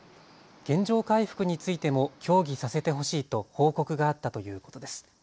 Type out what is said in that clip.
原状回復についても協議させてほしいと報告があったということです。